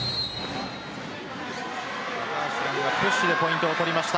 プッシュでポイントを取りました。